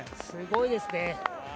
すごいですね。